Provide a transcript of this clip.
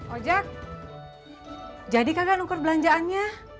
ojak jadi kagak nungkur belanjaannya